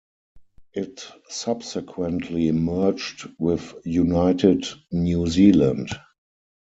It subsequently merged with United New Zealand.